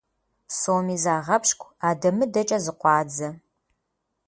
Псоми загъэпщкӀу, адэ-мыдэкӀэ зыкъуадзэ.